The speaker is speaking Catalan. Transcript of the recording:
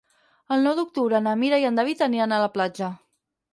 El nou d'octubre na Mira i en David aniran a la platja.